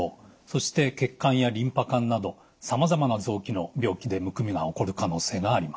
そして血管やリンパ管などさまざまな臓器の病気でむくみが起こる可能性があります。